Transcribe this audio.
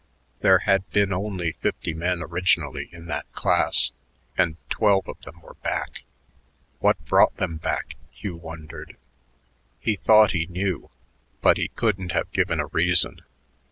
There had been only fifty men originally in that class; and twelve of them were back. What brought them back? Hugh wondered. He thought he knew, but he couldn't have given a reason.